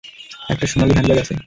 একটা সোনালী হ্যান্ডব্যাগ আছে।